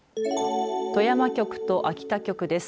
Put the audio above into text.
富山局と秋田局です。